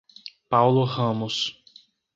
Paulo Ramos